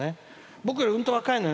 僕より、うんと若いのよ。